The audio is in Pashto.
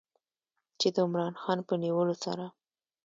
چې د عمران خان په نیولو سره